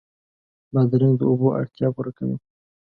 بادرنګ د اوبو اړتیا پوره کوي.